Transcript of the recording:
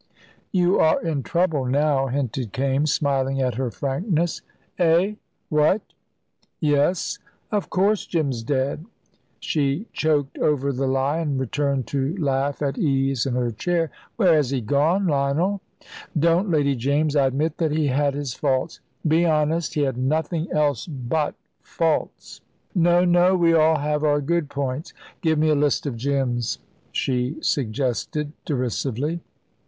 "You are in trouble now," hinted Kaimes, smiling at her frankness. "Eh! What? Yes, of course, Jim's dead." She choked over the lie, and returned to laugh at ease in her chair. "Where has he gone, Lionel?" "Don't, Lady James! I admit that he had his faults." "Be honest. He had nothing else but faults." "No, no! We all have our good points." "Give me a list of Jim's," she suggested derisively.